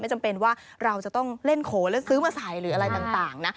จำเป็นว่าเราจะต้องเล่นโขนแล้วซื้อมาใส่หรืออะไรต่างนะ